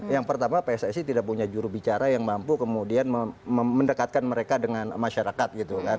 yang pertama pssi tidak punya jurubicara yang mampu kemudian mendekatkan mereka dengan masyarakat